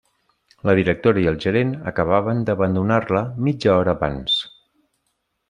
La directora i el gerent acabaven d'abandonar-la mitja hora abans.